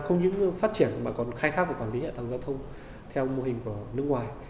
không những phát triển mà còn khai thác và quản lý hạ tầng giao thông theo mô hình của nước ngoài